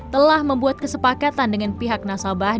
telah membuat kesepakatan dengan pihak nasabah